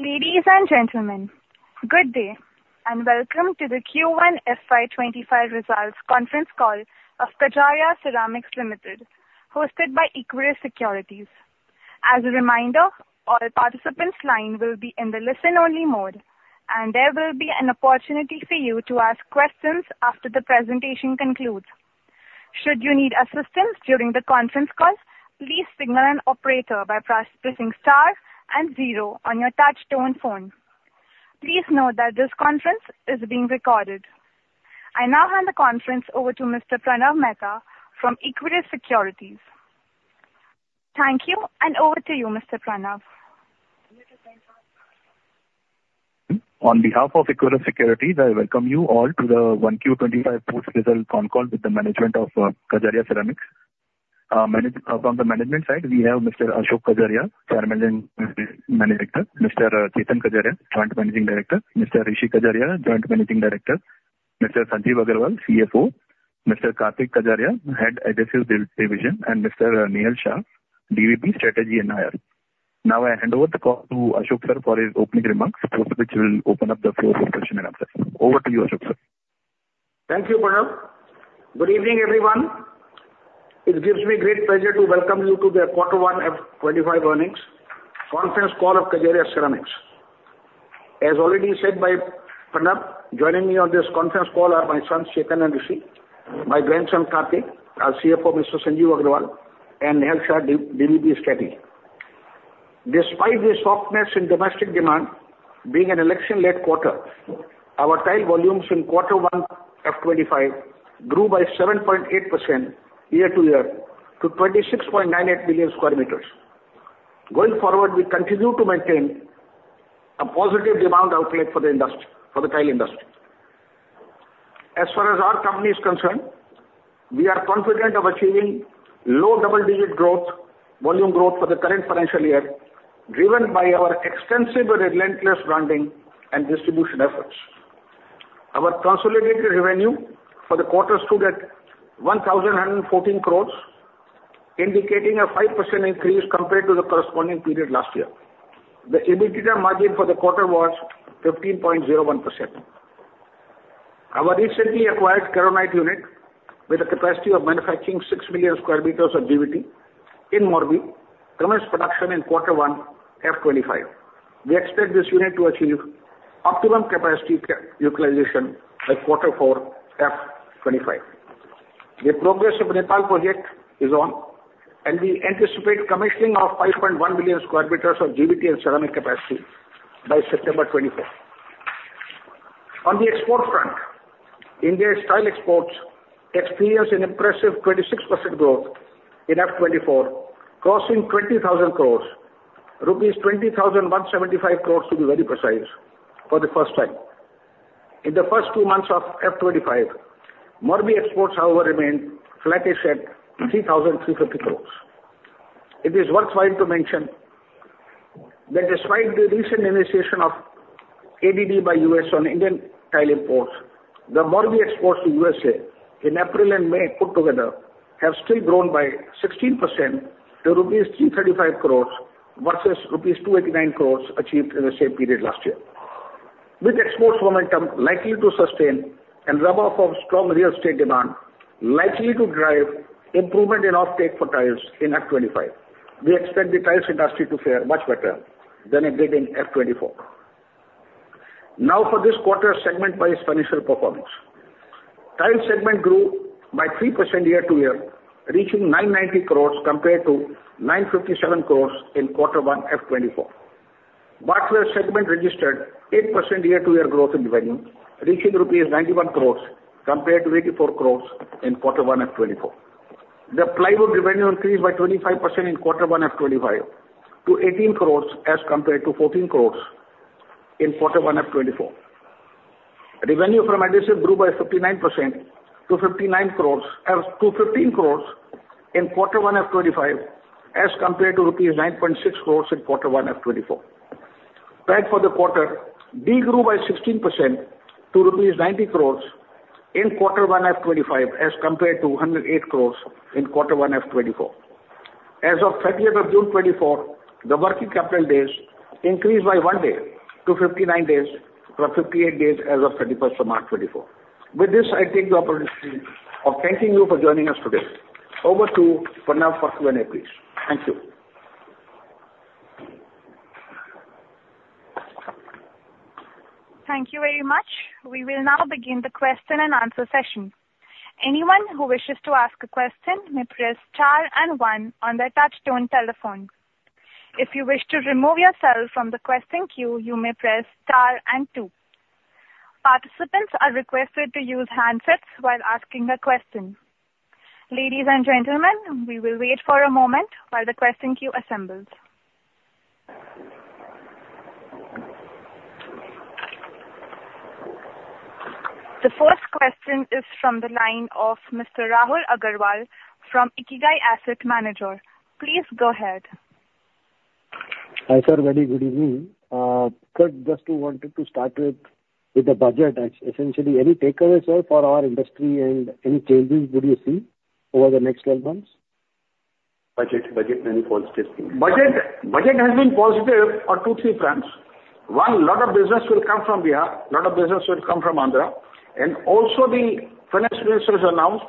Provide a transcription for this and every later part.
Ladies and gentlemen, good day, and welcome to the Q1 FY 2025 results Conference Call of Kajaria Ceramics Limited, hosted by Equirus Securities. As a reminder, all participants' line will be in the listen-only mode, and there will be an opportunity for you to ask questions after the presentation concludes. Should you need assistance during the conference call, please signal an operator by pressing star and zero on your touchtone phone. Please note that this conference is being recorded. I now hand the conference over to Mr. Pranav Mehta from Equirus Securities. Thank you, and over to you, Mr. Pranav. On behalf of Equirus Securities, I welcome you all to the Q1 2025 post result con call with the management of Kajaria Ceramics. From the management side, we have Mr. Ashok Kajaria, Chairman and Director; Mr. Chetan Kajaria, Joint Managing Director; Mr. Rishi Kajaria, Joint Managing Director; Mr. Sanjeev Agarwal, CFO; Mr. Kartik Kajaria, Head, Adhesives Division; and Mr. Nehal Shah, DVP, Strategy and IR. Now, I hand over the call to Ashok sir for his opening remarks, after which we'll open up the floor for question and answer. Over to you, Ashok sir. Thank you, Pranav. Good evening, everyone. It gives me great pleasure to welcome you to the quarter one FY 2025 Earnings Conference Call of Kajaria Ceramics. As already said by Pranav, joining me on this conference call are my sons, Chetan and Rishi, my grandson, Kartik, our CFO, Mr. Sanjeev Agarwal, and Nehal Shah, DVP, Strategy. Despite the softness in domestic demand, being an election-led quarter, our tile volumes in quarter one FY25 grew by 7.8% year-over-year, to 26.98 billion square meters. Going forward, we continue to maintain a positive demand outlook for the industry, for the tile industry. As far as our company is concerned, we are confident of achieving low double-digit growth, volume growth for the current financial year, driven by our extensive and relentless branding and distribution efforts. Our consolidated revenue for the quarter stood at 1,014 crore, indicating a 5% increase compared to the corresponding period last year. The EBITDA margin for the quarter was 15.01%. Our recently acquired Keronite unit, with a capacity of manufacturing 6 million square meters of GVT in Morbi, commenced production in quarter one FY 2025. We expect this unit to achieve optimum capacity utilization by quarter four FY 2025. The progress of Nepal project is on, and we anticipate commissioning of 5.1 million square meters of GVT and ceramic capacity by September 2024. On the export front, India's tile exports experienced an impressive 26% growth in FY 2024, crossing 20,000 crore, rupees 20,175 crore, to be very precise, for the first time. In the first two months of FY 2025, Morbi exports, however, remained flat at 3,350 crore. It is worthwhile to mention that despite the recent initiation of ADD by the U.S. on Indian tile imports, the Morbi exports to the U.S. in April and May put together have still grown by 16% to rupees 335 crore versus rupees 289 crore achieved in the same period last year. With export momentum likely to sustain and rub off of strong real estate demand, likely to drive improvement in offtake for tiles in FY 2025, we expect the tiles industry to fare much better than it did in FY 2024. Now, for this quarter segment by its financial performance. Tile segment grew by 3% year-over-year, reaching 990 crore compared to 957 crore in Q1 FY 2024. Bathware segment registered 8% year-over-year growth in revenue, reaching rupees 91 crores compared to 84 crores in quarter one FY 2024. The plywood revenue increased by 25% in quarter one FY 2025 to 18 crores as compared to 14 crores in quarter one FY 2024. Revenue from adhesives grew by 59% to 15 crores in quarter one FY 2025, as compared to rupees 9.6 crores in quarter one FY 2024. The PAT grew by 16% to rupees 90 crores in quarter one FY 2025, as compared to 108 crores in quarter one FY 2024. As of thirtieth of June 2024, the working capital days increased by one day to 59 days, from 58 days as of thirty-first of March 2024. With this, I take the opportunity of thanking you for joining us today. Over to Pranav for Q&A, please. Thank you. Thank you very much. We will now begin the question-and-answer session. Anyone who wishes to ask a question may press star and one on their touchtone telephone. If you wish to remove yourself from the question queue, you may press star and two. Participants are requested to use handsets while asking a question. Ladies and gentlemen, we will wait for a moment while the question queue assembles. The first question is from the line of Mr. Rahul Agarwal from Ikigai Asset Management. Please go ahead. Hi, sir. Very good evening. First, just we wanted to start with the budget. Essentially, any takeaways, sir, for our industry and any changes would you see over the next 12 months? Budget, budget has been positive on 2, 3 fronts. One, lot of business will come from Bihar, lot of business will come from Andhra, and also the finance minister has announced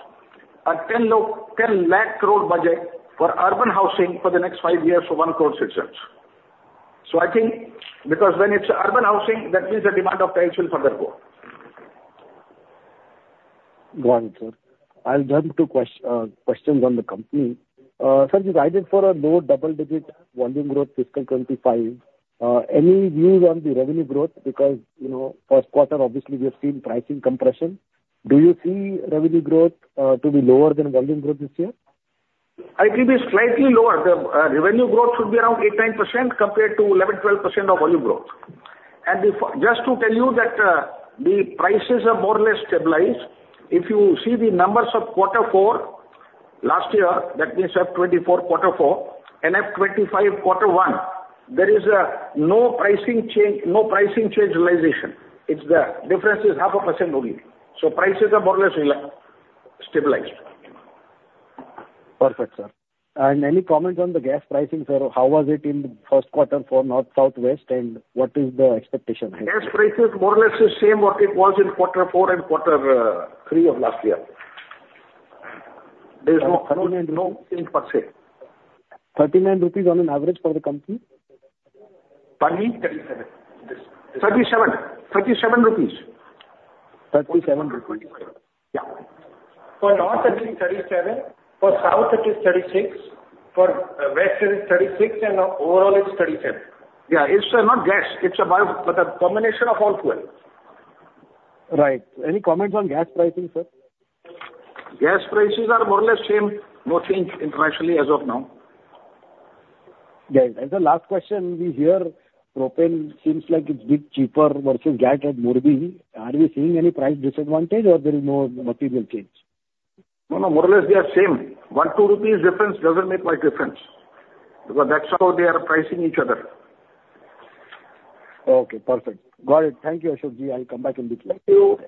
an 1,000,000 crore budget for urban housing for the next 5 years for 1 crore citizens. So I think because when it's urban housing, that means the demand of tiles will further go. Got it, sir. I'll jump to questions on the company. Sir, you guided for a low double-digit volume growth, fiscal 2025. Any views on the revenue growth? Because, you know, first quarter, obviously, we have seen pricing compression. Do you see revenue growth to be lower than volume growth this year? I think it's slightly lower. The revenue growth should be around 8-9% compared to 11-12% of volume growth. And just to tell you that the prices are more or less stabilized. If you see the numbers of quarter four last year, that means of 2024, quarter four, and at 2025, quarter one, there is no pricing change, no pricing change realization. It's the difference is 0.5% only. So prices are more or less stabilized. Perfect, sir. Any comment on the gas pricing, sir? How was it in the first quarter for north, southwest, and what is the expectation? Gas prices more or less the same what it was in quarter four and quarter three of last year. There is no, no change per se. 39 rupees on an average for the company? Pardon me? 37. 37, 37 rupees. Thirty-seven rupees. Yeah. For north, it is 37, for south, it is 36, for west, it is 36, and overall, it's 37. Yeah, it's not gas, it's about the combination of all fuels. Right. Any comments on gas pricing, sir? Gas prices are more or less same. No change internationally as of now. Yeah. And the last question, we hear propane seems like it's a bit cheaper versus gas at Morbi. Are we seeing any price disadvantage or there is no material change? No, no, more or less they are the same. 1-2 rupees difference doesn't make much difference, because that's how they are pricing each other. Okay, perfect. Got it. Thank you, Ashokji. I'll come back in the queue. Thank you.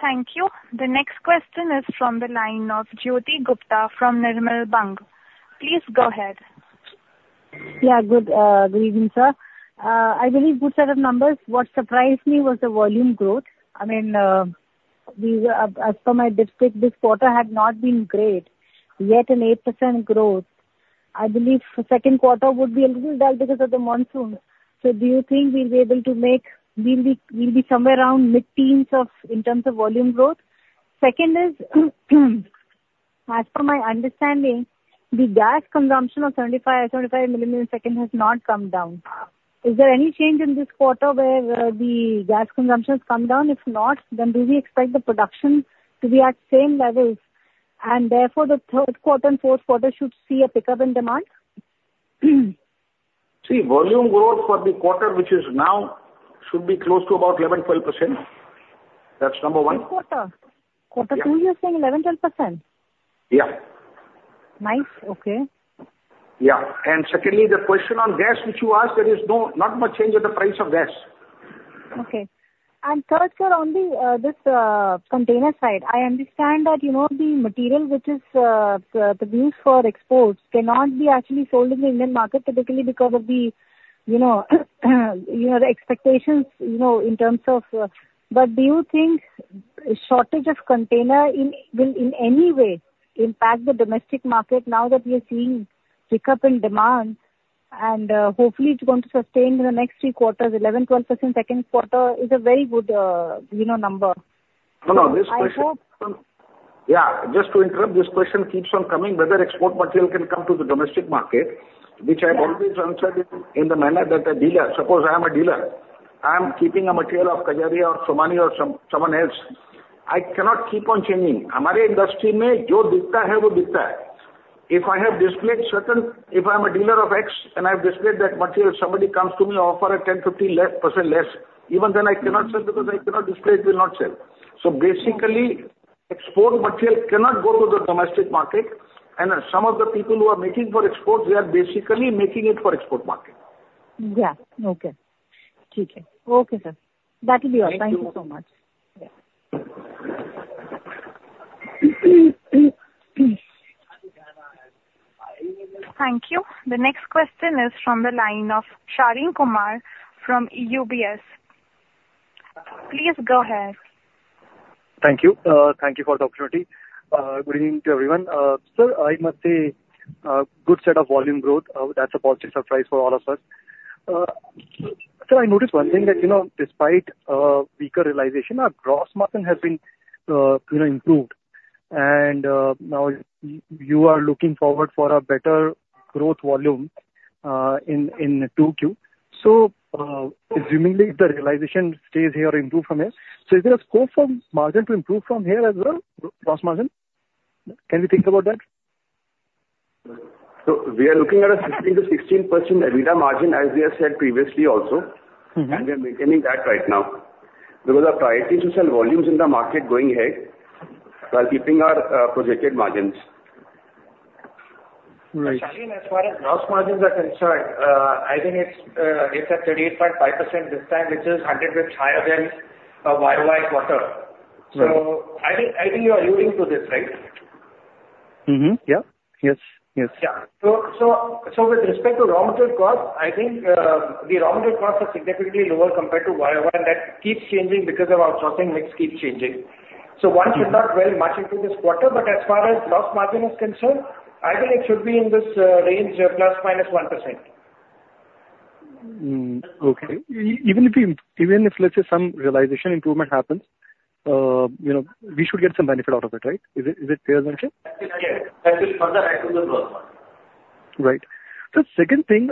Thank you. The next question is from the line of Jyoti Gupta from Nirmal Bang. Please go ahead. Yeah, good evening, sir. I believe good set of numbers. What surprised me was the volume growth. I mean, as per my district, this quarter had not been great, yet an 8% growth. I believe the second quarter would be a little dull because of the monsoon. So do you think we'll be able to make... We'll be, we'll be somewhere around mid-teens in terms of volume growth? Second is, as per my understanding, the gas consumption of 75 MSM has not come down. Is there any change in this quarter where the gas consumption has come down? If not, then do we expect the production to be at same levels, and therefore, the third quarter and fourth quarter should see a pickup in demand? See, volume growth for the quarter, which is now, should be close to about 11%-12%. That's number one. This quarter? Yeah. Quarter two, you're saying 11%-12%? Yeah. Nice. Okay. Yeah. And secondly, the question on gas, which you asked, there is not much change in the price of gas. Okay. And third, sir, on the container side, I understand that, you know, the material which is used for exports cannot be actually sold in the Indian market, typically because of the, you know, you know, the expectations, you know, in terms of... But do you think shortage of containers will in any way impact the domestic market now that we are seeing pickup in demand, and, hopefully it's going to sustain in the next three quarters? 11%-12% second quarter is a very good, you know, number. No, no, this question- I hope. Yeah, just to interrupt, this question keeps on coming, whether export material can come to the domestic market- Yeah. which I've always answered in the manner that a dealer... Suppose I am a dealer. I am keeping a material of Kajaria or Somany or someone else. I cannot keep on changing. If I am a dealer of X, and I have displayed that material, somebody comes to me, offer at 10-50% less, even then I cannot sell because I cannot display, it will not sell. So basically, export material cannot go to the domestic market, and some of the people who are making for export, they are basically making it for export market. Yeah. Okay. Okay. Okay, sir. That will be all. Thank you. Thank you so much. Yeah. Thank you. The next question is from the line of Shaleen Kumar from UBS. Please go ahead. Thank you. Thank you for the opportunity. Good evening to everyone. Sir, I must say, good set of volume growth. That's a positive surprise for all of us. So I noticed one thing that, you know, despite weaker realization, our gross margin has been, you know, improved. And now you are looking forward for a better growth volume in Q2. So, assuming that the realization stays here or improve from here, so is there a scope for margin to improve from here as well, gross margin? Can we think about that? We are looking at a 15%-16% EBITDA margin, as we have said previously also. Mm-hmm. We are maintaining that right now. Because our priority is to sell volumes in the market going ahead, while keeping our projected margins... Shaleen, as far as gross margins are concerned, I think it's at 38.5% this time, which is 100 basis points higher than year-over-year quarter. Right. I think, I think you are alluding to this, right? Mm-hmm. Yeah. Yes, yes. Yeah. So with respect to raw material cost, I think the raw material costs are significantly lower compared to year-over-year, and that keeps changing because of our sourcing mix keeps changing. Mm. So one should not weigh much into this quarter, but as far as gross margin is concerned, I think it should be in this range ±1%. Even if we, even if, let's say, some realization improvement happens, you know, we should get some benefit out of it, right? Is it, is it fair assumption? Yeah. That will further add to the growth margin. Right. The second thing,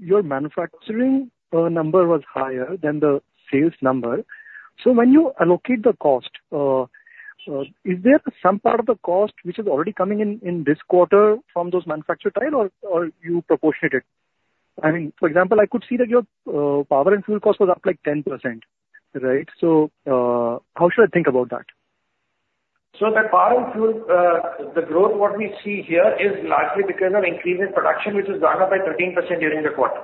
your manufacturing number was higher than the sales number. So when you allocate the cost, is there some part of the cost which is already coming in, in this quarter from those manufactured tile, or you proportionate it? I mean, for example, I could see that your power and fuel cost was up, like, 10%, right? So, how should I think about that? The power and fuel, the growth what we see here is largely because of increase in production, which is gone up by 13% during the quarter.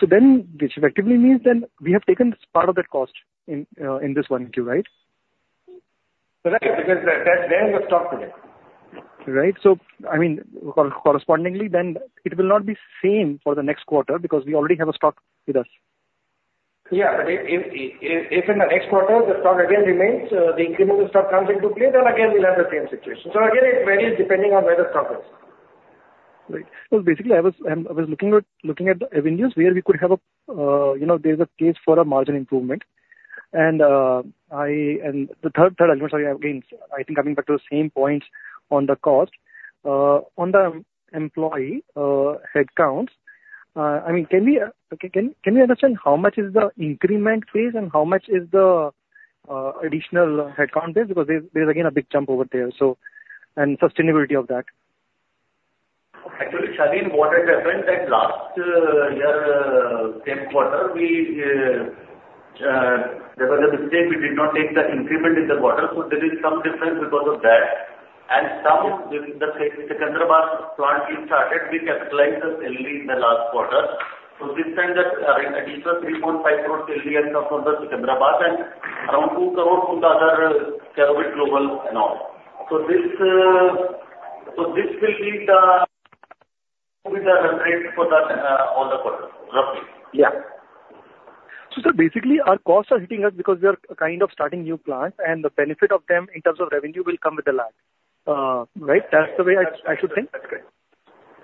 So then this effectively means then we have taken part of that cost in, in this one too, right? Right, because that, that's where we are stuck today. Right. So, I mean, correspondingly then it will not be same for the next quarter because we already have a stock with us. Yeah, but if in the next quarter, the stock again remains, the incremental stock comes into play, then again we'll have the same situation. So again, it varies depending on where the stock is. Right. Well, basically, I was looking at the avenues where we could have a, you know, there's a case for a margin improvement. And the third element, sorry, again, I think coming back to the same point on the cost, on the employee headcounts, I mean, can we, can we understand how much is the increment phase and how much is the additional headcount base? Because there's again a big jump over there, so, and sustainability of that. Actually, Shaleen, what had happened that last year, same quarter, we there was a mistake. We did not take the increment in the quarter, so there is some difference because of that. Yes. The Sikandrabad plant we started, we capitalized the salary in the last quarter. So this time, the additional 3.5 crore salary has come from the Sikandrabad and around 2 crore from the other Kerovit Global and all. So this will be the with the rate for the all the quarter, roughly. Yeah. So sir, basically, our costs are hitting us because we are kind of starting new plants, and the benefit of them in terms of revenue will come with a lag. Right? That's the way I should think. That's great.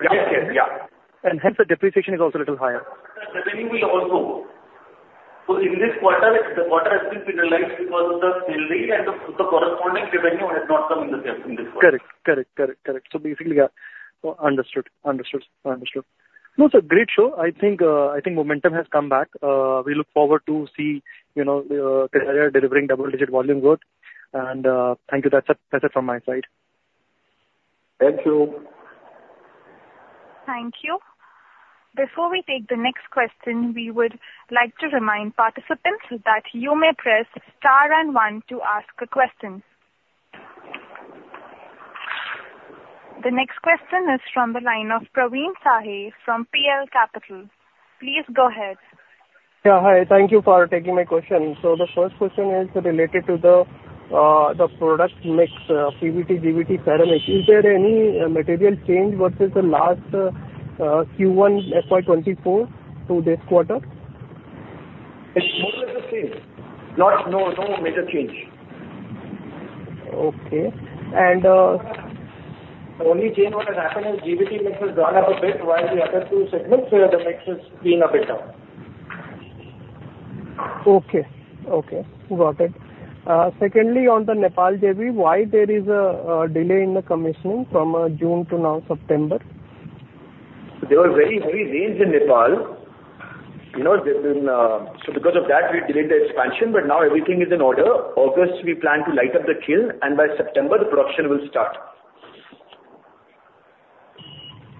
Yeah. Yeah. Hence the depreciation is also a little higher. The revenue will also. So in this quarter, the quarter has been finalized because of the selling and the corresponding revenue has not come in the sales in this one. Correct. Correct, correct, correct. So basically, yeah. So understood. Understood. Understood. No, it's a great show. I think, I think momentum has come back. We look forward to see, you know, Kajaria delivering double-digit volume growth. And, thank you. That's it, that's it from my side. Thank you. Thank you. Before we take the next question, we would like to remind participants that you may press Star and One to ask a question. The next question is from the line of Praveen Sahay from PL Capital. Please go ahead. Yeah, hi. Thank you for taking my question. So the first question is related to the, the product mix, PVT, GVT, ceramic. Is there any, material change versus the last, Q1 FY 2024 to this quarter? It's more or less the same. No, no major change. Okay. And, The only change what has happened is GVT mix has gone up a bit, while the other two segments, the mix has been a bit down. Okay. Okay, got it. Secondly, on the Nepal JV, why there is a delay in the commissioning from June to now September? There were very heavy rains in Nepal, you know, so because of that, we delayed the expansion, but now everything is in order. August, we plan to light up the kiln, and by September, the production will start.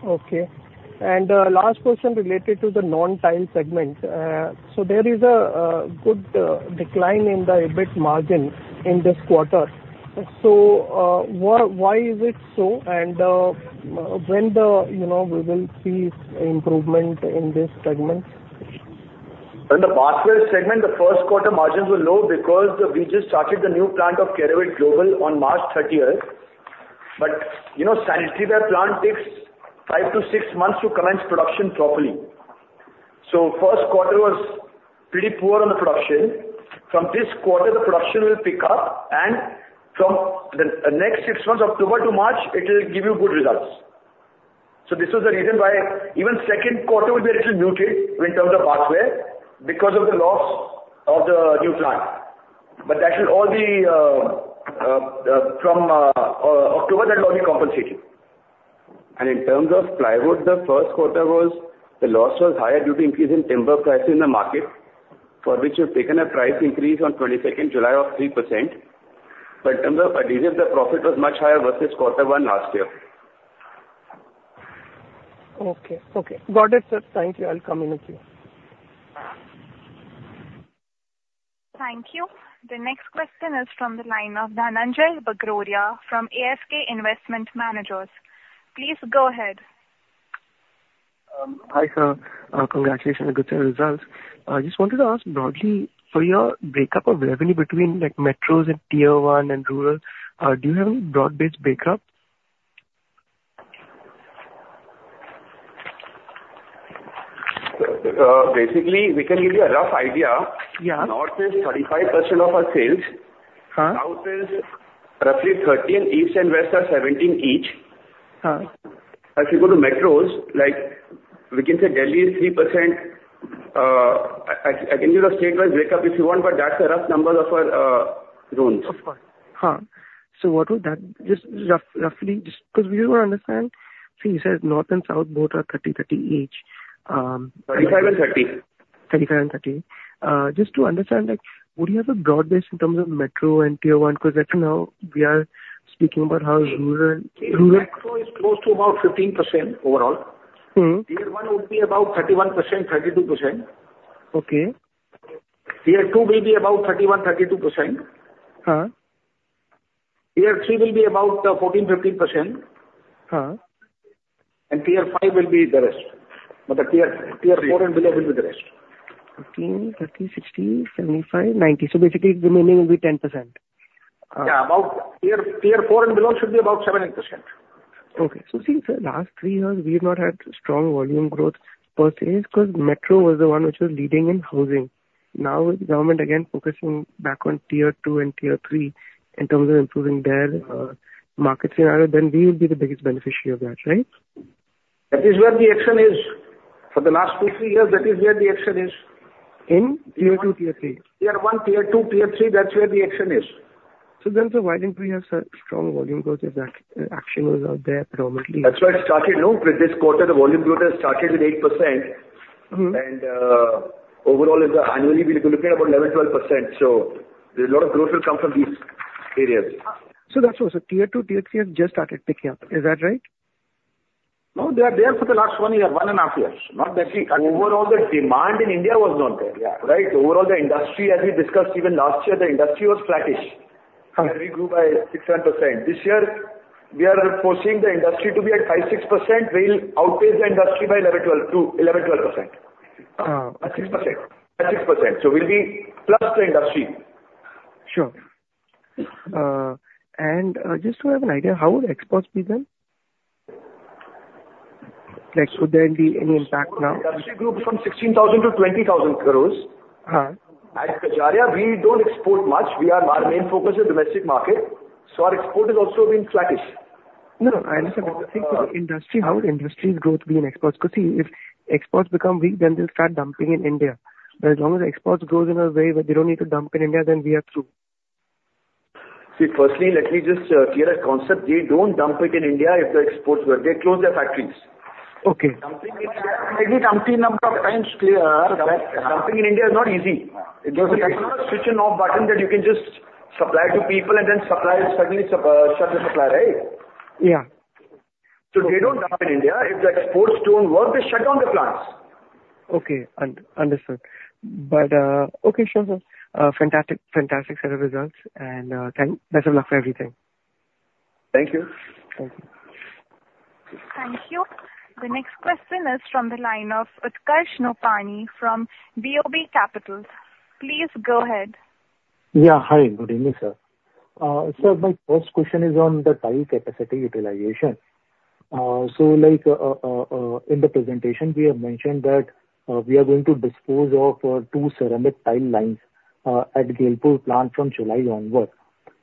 Okay. And, last question related to the non-tile segment. So there is a good decline in the EBIT margin in this quarter. So, why, why is it so? And, when the, you know, we will see improvement in this segment? In the bathware segment, the first quarter margins were low because we just started the new plant of Kerovit Global on March 30. But, you know, sanitaryware plant takes 5 to 6 months to commence production properly. So first quarter was pretty poor on the production. From this quarter, the production will pick up, and from the next 6 months, October to March, it'll give you good results. So this was the reason why even second quarter will be a little muted in terms of bathware, because of the loss of the new plant. But that will all be from October, that will be compensated. And in terms of plywood, the first quarter was, the loss was higher due to increase in timber prices in the market, for which we've taken a price increase on July 22 of 3%. But timber adhesives, the profit was much higher versus quarter one last year. Okay. Okay, got it, sir. Thank you. I'll come in with you. Thank you. The next question is from the line of Dhananjai Bagrodia from ASK Investment Managers. Please go ahead. Hi, sir. Congratulations on the good results. I just wanted to ask broadly, for your breakup of revenue between, like, metros and Tier One and rural, do you have any broad-based breakup? Basically, we can give you a rough idea. Yeah. North is 35% of our sales. Uh-huh. South is roughly 13, East and West are 17 each. Uh. If you go to metros, like, we can say Delhi is 3%. I can give you a statewide breakup if you want, but that's a rough number of our loans. Of course. So what would that... Just rough, roughly, just 'cause we don't understand. So you said North and South, both are 30, 30 each. 35 and 30. 35 and 30. Just to understand, like, would you have a broad base in terms of metro and Tier One? 'Cause right now, we are speaking about how rural and rural- Metro is close to about 15% overall. Mm-hmm. Tier One would be about 31%, 32%. Okay. Tier Two will be about 31-32%. Uh. Tier Three will be about 14%-15%. Uh. Tier Five will be the rest. But the Tier Four and below will be the rest. 15, 30, 60, 75, 90. So basically, the remaining will be 10%. Yeah, about Tier Four and below should be about 7%-8%. Okay. So since the last three years, we've not had strong volume growth per se, 'cause metro was the one which was leading in housing. Now, the government again focusing back on Tier Two and Tier Three in terms of improving their market scenario, then we will be the biggest beneficiary of that, right? That is where the action is. For the last 2, 3 years, that is where the action is. In Tier Two, Tier Three? Tier One, Tier Two, Tier Three, that's where the action is. Why didn't we have such strong volume growth if that action was out there predominantly? That's why it started, no? With this quarter, the volume growth has started with 8%. Mm-hmm. Overall, it's annually, we'll be looking at about 11%-12%. So there's a lot of growth will come from these areas. That's also Tier 2, Tier 3 have just started picking up. Is that right? No, they are there for the last 1 year, 1.5 years. Not that. Overall, the demand in India was not there, right? Overall, the industry, as we discussed even last year, the industry was flattish. Uh. We grew by 6%. This year, we are foreseeing the industry to be at 5%-6%. We'll outpace the industry by 11-12 to 11-12%. 6%. At 6%. So we'll be plus the industry. Sure. And, just to have an idea, how would exports be then? Like, would there be any impact now? Industry grew from 16,000 crore to 20,000 crore. Uh. At Kajaria, we don't export much. We are, our main focus is domestic market, so our export has also been flattish. No, no, I understand. But I think for the industry, how would industry's growth be in exports? 'Cause, see, if exports become weak, then they'll start dumping in India. But as long as exports grows in a way where they don't need to dump in India, then we are through. See, firstly, let me just clear a concept. They don't dump it in India if the exports work. They close their factories. Okay. Dumping is dumping, number of times clear, that dumping in India is not easy. Okay. It's not a switch and off button that you can just supply to people and then suppliers suddenly shut the supply, right? Yeah. They don't dump in India. If the exports don't work, they shut down the plants. Okay, understood. But... Okay, sure, sir. Fantastic, fantastic set of results, and thanks, best of luck for everything. Thank you. Thank you. Thank you. The next question is from the line of Utkarsh Nopany from BOB Capital. Please go ahead. Yeah, hi, good evening, sir. So my first question is on the tile capacity utilization. So, like, in the presentation, we have mentioned that we are going to dispose of two ceramic tile lines at Gailpur plant from July onward.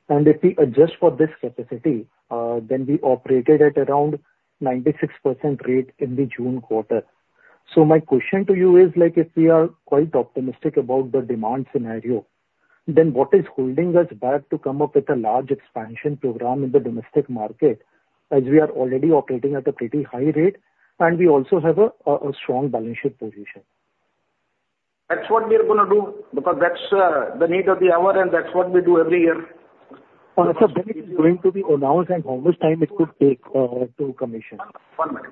And if we adjust for this capacity, then we operated at around 96% rate in the June quarter. So my question to you is, like, if we are quite optimistic about the demand scenario, then what is holding us back to come up with a large expansion program in the domestic market, as we are already operating at a pretty high rate, and we also have a strong balance sheet position? That's what we are gonna do, because that's the need of the hour, and that's what we do every year. When it's going to be announced, and how much time it could take to commission? One minute.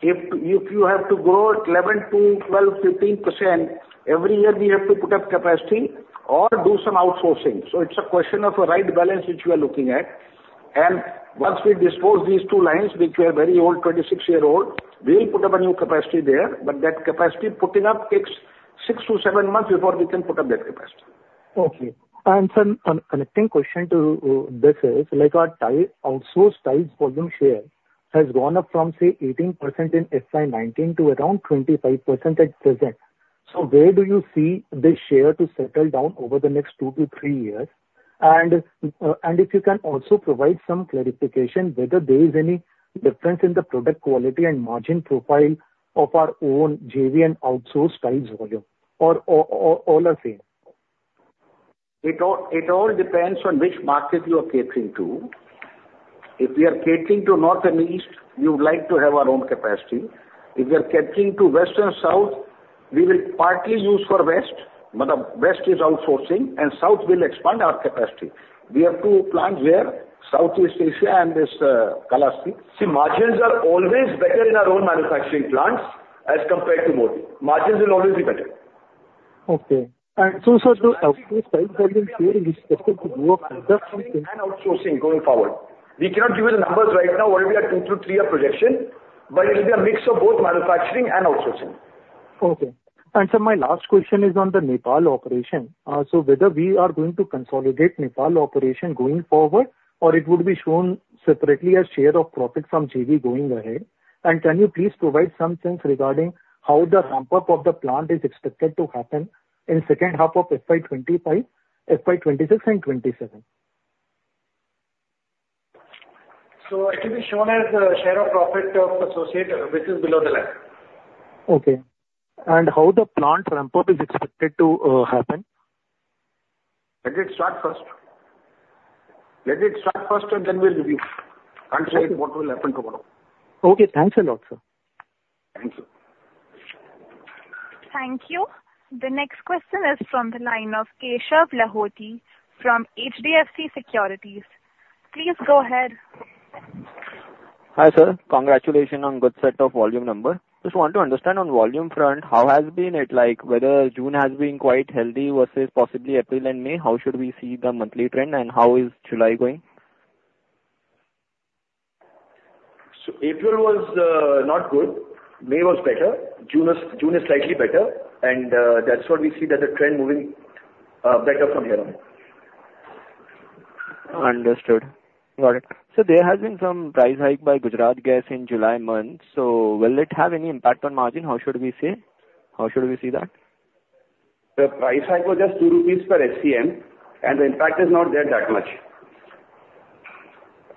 If you have to grow at 11 to 12, 15% every year we have to put up capacity or do some outsourcing. So it's a question of a right balance which we are looking at, and once we dispose these two lines, which are very old, 26-year-old, we'll put up a new capacity there, but that capacity putting up takes 6-7 months before we can put up that capacity. Okay. Then a connecting question to this is, like, our tile outsourced tiles volume share has gone up from, say, 18% in FY 2019 to around 25% at present. So where do you see this share to settle down over the next two to three years? And if you can also provide some clarification whether there is any difference in the product quality and margin profile of our own JV and outsourced tiles volume, or all are same? It all depends on which market you are catering to. If we are catering to North and East, we would like to have our own capacity. If we are catering to West and South, we will partly use for West, but the West is outsourcing, and South will expand our capacity. We have two plants there, Southeast Asia and this, Kalahasti. See, margins are always better in our own manufacturing plants as compared to Morbi. Margins will always be better. Okay. And so, sir, the Outsourcing going forward. We cannot give you the numbers right now, only we are 2-3 of projection, but it will be a mix of both manufacturing and outsourcing. Okay. And sir, my last question is on the Nepal operation. So whether we are going to consolidate Nepal operation going forward, or it would be shown separately as share of profit from GB going ahead? And can you please provide some sense regarding how the ramp-up of the plant is expected to happen in second half of FY 2025, FY2026 and 2027? So it will be shown as, share of profit of associate, which is below the line. Okay. And how the plant ramp-up is expected to happen? Let it start first. Let it start first, and then we'll review. Can't say what will happen tomorrow. Okay, thanks a lot, sir. Thank you. Thank you. The next question is from the line of Keshav Lahoti from HDFC Securities. Please go ahead. Hi, sir. Congratulations on good set of volume number. Just want to understand on volume front, how has been it like, whether June has been quite healthy versus possibly April and May? How should we see the monthly trend, and how is July going? April was not good. May was better. June was, June is slightly better, and that's what we see that the trend moving better from here on. Understood. Got it. So there has been some price hike by Gujarat Gas in July month, so will it have any impact on margin? How should we see that? The price hike was just 2 rupees per SCM, and the impact is not there that much.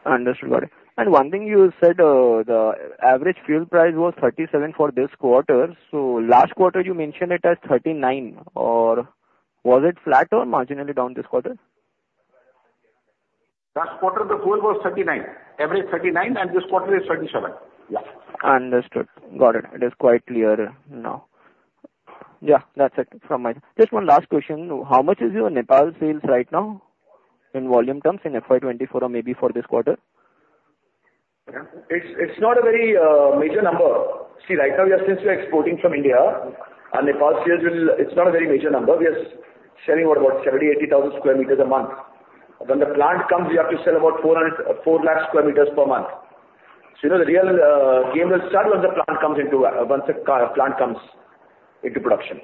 Understood. Got it. And one thing you said, the average fuel price was 37 for this quarter. So last quarter you mentioned it as 39, or was it flat or marginally down this quarter? Last quarter, the fuel was 39, average 39, and this quarter is 37. Yeah. Understood. Got it. It is quite clear now. Yeah, that's it from my... Just one last question: How much is your Nepal sales right now, in volume terms, in FY2024 or maybe for this quarter? Yeah. It's not a very major number. See, right now, since we are exporting from India, our Nepal sales will... It's not a very major number. We are selling what, about 70-80 thousand square meters a month. When the plant comes, we have to sell about 400,000 square meters per month. So, you know, the real game will start when the plant comes into, once the plant comes into production.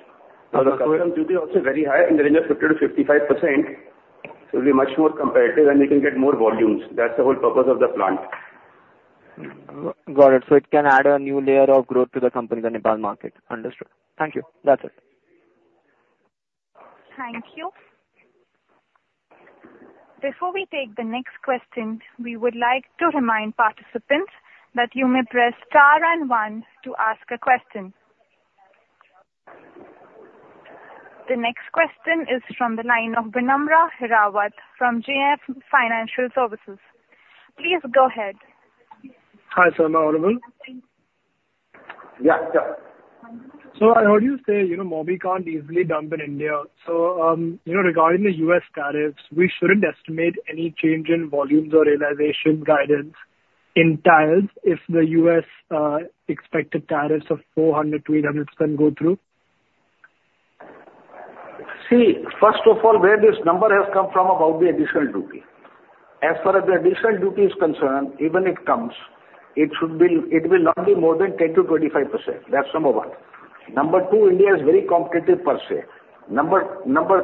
The current duty also very high, in the range of 50%-55%, so it'll be much more competitive, and we can get more volumes. That's the whole purpose of the plant. Got it. So it can add a new layer of growth to the company, the Nepal market. Understood. Thank you. That's it. Thank you. Before we take the next question, we would like to remind participants that you may press Star and One to ask a question. The next question is from the line of Vinamra Hirawat from JM Financial Ltd. Please go ahead. Hi, sir. Am I audible? Yeah, yeah. So I heard you say, you know, Morbi can't easily dump in India. So, you know, regarding the U.S. tariffs, we shouldn't estimate any change in volumes or realization guidance in tiles if the U.S. expected tariffs of 400%-800% go through? See, first of all, where this number has come from about the additional duty? As far as the additional duty is concerned, even it comes, it should be, it will not be more than 10%-25%. That's number one. Number two, India is very competitive per se. Number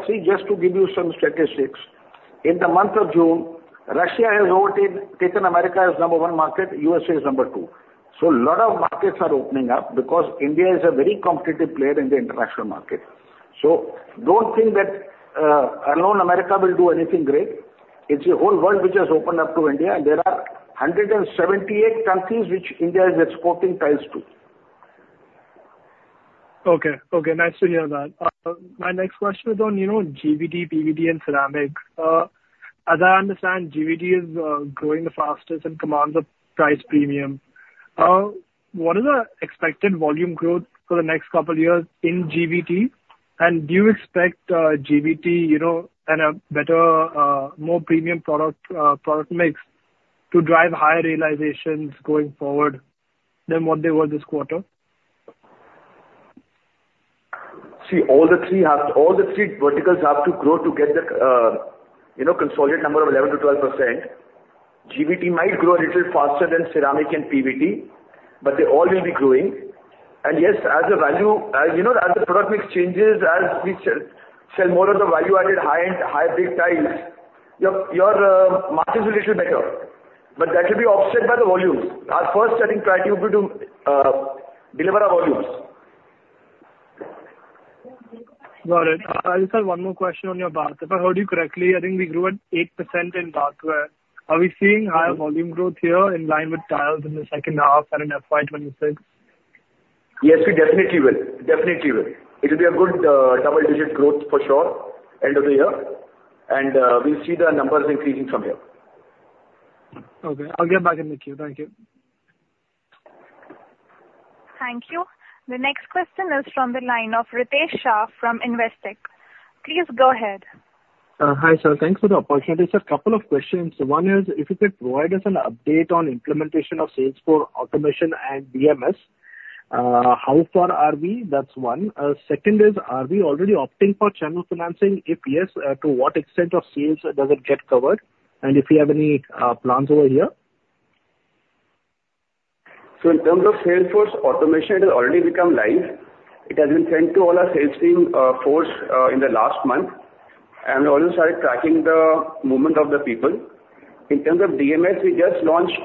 three, just to give you some statistics, in the month of June, Russia has overtaken, taken America as number one market, USA is number two. So a lot of markets are opening up because India is a very competitive player in the international market. So don't think that alone America will do anything great. It's the whole world which has opened up to India, and there are 178 countries which India is exporting tiles to. Okay. Okay, nice to hear that. My next question is on, you know, GVT, PVT and ceramic. As I understand, GVT is growing the fastest and commands a price premium. What is the expected volume growth for the next couple years in GVT? And do you expect GVT, you know, and a better more premium product product mix, to drive higher realizations going forward than what they were this quarter? See, all the three have, all the three verticals have to grow to get the, you know, consolidated number of 11%-12%. GVT might grow a little faster than ceramic and PVT, but they all will be growing. And yes, as the value, you know, as the product mix changes, as we sell, sell more of the value-added high-end, high brick tiles, your, your, margins are a little better, but that should be offset by the volumes. Our first starting priority will be to, deliver our volumes. Got it. I just have one more question on your bathware. If I heard you correctly, I think we grew at 8% in bathware. Are we seeing higher volume growth here in line with tiles in the second half and in FY 2026? Yes, we definitely will, definitely will. It will be a good, double-digit growth for sure end of the year, and we'll see the numbers increasing from here. Okay, I'll get back in the queue. Thank you. Thank you. The next question is from the line of Ritesh Shah from Investec. Please go ahead. Hi, sir. Thanks for the opportunity. Sir, couple of questions. One is, if you could provide us an update on implementation of Salesforce automation and DMS. How far are we? That's one. Second is, are we already opting for channel financing? If yes, to what extent of sales does it get covered, and if you have any plans over here? So in terms of Salesforce automation, it has already become live. It has been sent to all our sales team force in the last month, and we also started tracking the movement of the people. In terms of DMS, we just launched,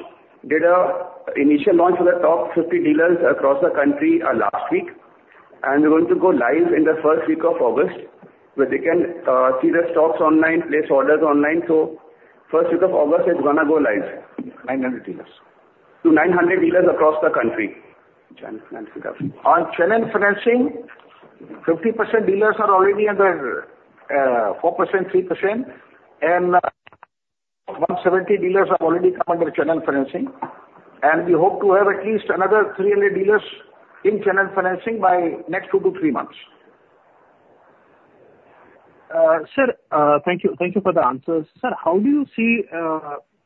did an initial launch for the top 50 dealers across the country last week, and we're going to go live in the first week of August, where they can see the stocks online, place orders online. So first week of August, it's gonna go live. 900 dealers. To 900 dealers across the country. Channel financing. On channel financing, 50% dealers are already under 4%, 3%, and 170 dealers have already come under channel financing, and we hope to have at least another 300 dealers in channel financing by next 2-3 months. Sir, thank you, thank you for the answers. Sir, how do you see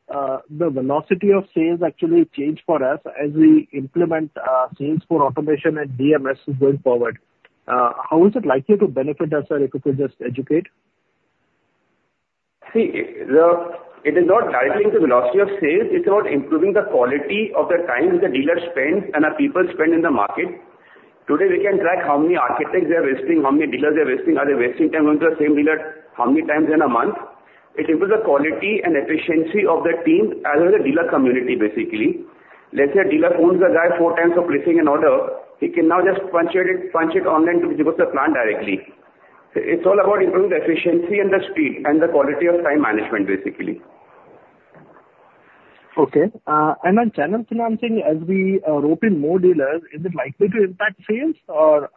the velocity of sales actually change for us as we implement sales force automation and DMS going forward? How is it likely to benefit us, sir, if you could just educate? See, it is not driving the velocity of sales, it's about improving the quality of the time the dealer spends and our people spend in the market. Today, we can track how many architects they are wasting, how many dealers they are wasting. Are they wasting time going to the same dealer, how many times in a month? It improves the quality and efficiency of the team as well the dealer community, basically. Let's say a dealer phones the guy four times for placing an order, he can now just punch it, punch it online to give us the plan directly. It's all about improving the efficiency and the speed and the quality of time management, basically. Okay. On channel financing, as we rope in more dealers, is it likely to impact sales or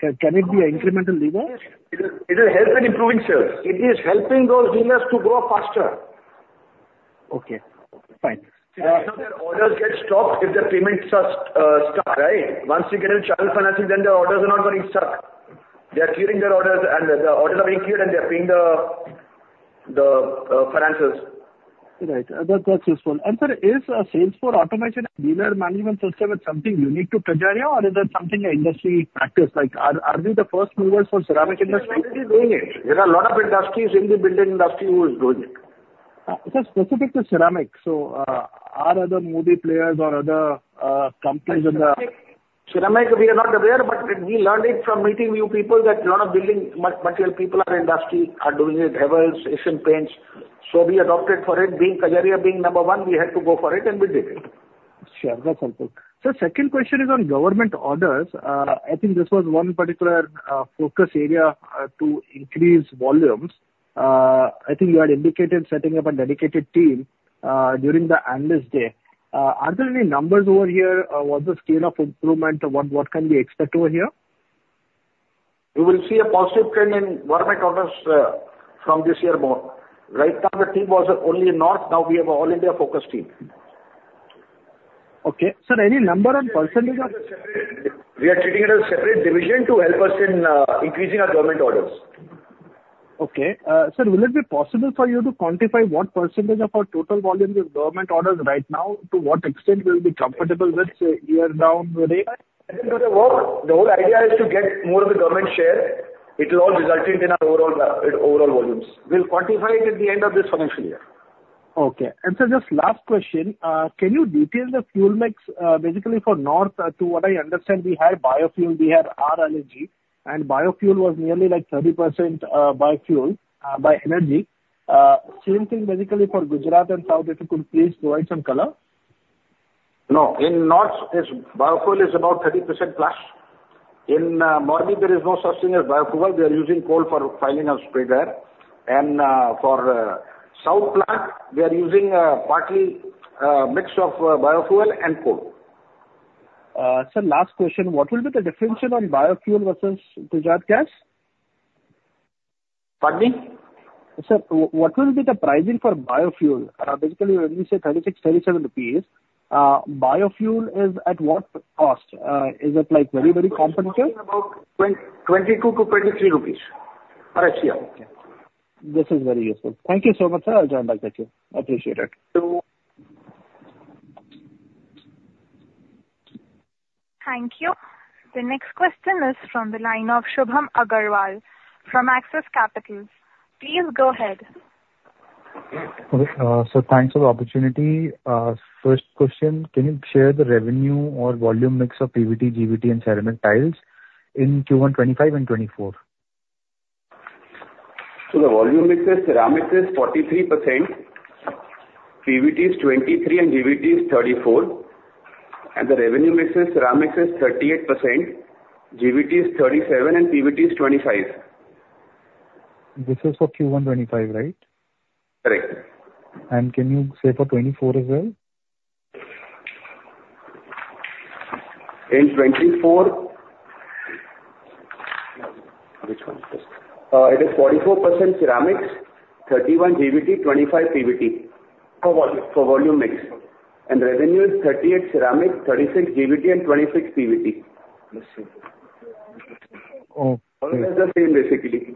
can it be an incremental lever? It will, it will help in improving sales. It is helping those dealers to grow faster. Okay. Fine. So their orders get stopped if the payments are stuck, right? Once you get in channel financing, then the orders are not getting stuck. They are clearing their orders, and the orders are being cleared, and they're paying the finances. Right. That's useful. And sir, is sales force automation and dealer management system something unique to Kajaria, or is it something an industry practice? Like, are we the first movers for ceramic industry? Nobody is doing it. There are a lot of industries in the building industry who is doing it. Specific to ceramic, are there Morbi players or other companies in the- Ceramics, we are not aware, but we learned it from meeting new people, that a lot of building material people in the industry are doing it, dealers, Asian Paints. So we adopted it. Being Kajaria, being number one, we had to go for it, and we did it. Sure. That's helpful. So second question is on government orders. I think this was one particular focus area to increase volumes. I think you had indicated setting up a dedicated team during the analyst day. Are there any numbers over here? What's the scale of improvement, and what, what can we expect over here? You will see a positive trend in government orders, from this year more. Right now, the team was only north, now we have all India focus team. Okay. Sir, any number and percentage of- We are treating it as a separate division to help us in increasing our government orders. Okay. Sir, will it be possible for you to quantify what percentage of our total volume is government orders right now, to what extent we'll be comfortable with, say, year down the line? Into the world. The whole idea is to get more of the government share. It will all resulted in our overall, overall volumes. We'll quantify it at the end of this financial year. Okay. Sir, just last question. Can you detail the fuel mix, basically for North? From what I understand, we have biofuel, we have RLNG, and biofuel was nearly like 30%, by fuel, by energy. Same thing basically for Gujarat and South, if you could please provide some color. No, in north, it's biofuel is about 30% plus. In Morbi, there is no such thing as biofuel. They are using coal for firing and spray dryer. And for south plant, we are using partly mix of biofuel and coal. Sir, last question: What will be the differential on biofuel versus Gujarat gas? Pardon me? Sir, what will be the pricing for biofuel? Basically, when we say 36-37 rupees, biofuel is at what cost? Is it like very, very competitive? It's about 22-23 rupees. Yeah. This is very useful. Thank you so much, sir. I'll join back with you. Appreciate it. You're welcome. Thank you. The next question is from the line of Shubham Aggarwal from Axis Capital. Please go ahead. Okay, sir, thanks for the opportunity. First question, can you share the revenue or volume mix of PVT, GVT, and ceramic tiles in Q1 2025 and 2024? The volume mix is, ceramic is 43%, PVT is 23%, and GVT is 34%, and the revenue mix is ceramics is 38%, GVT is 37%, and PVT is 25. This is for Q1 2025, right? Correct. Can you say for 2024 as well? In 2024, it is 44% ceramic, 31 GVT, 25 PVT. For volume mix. Revenue is 38 ceramic, 36 GVT, and 26 PVT. Yes, sir. Oh, all are the same, basically.